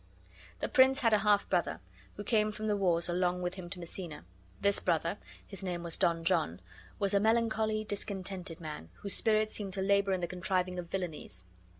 The prince had a half brother, who came from the wars along with him to Messina. This brother (his name was Don John) was a melancholy, discontented man, whose spirits seemed to labor in the contriving of villainies.